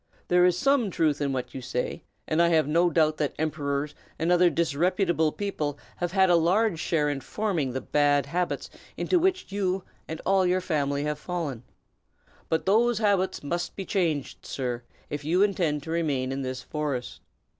There is some truth in what you say, and I have no doubt that emperors and other disreputable people have had a large share in forming the bad habits into which you and all your family have fallen. But those habits must be changed, sir, if you intend to remain in this forest.